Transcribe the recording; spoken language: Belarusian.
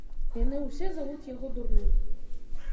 Яны ўсе завуць яго дурным.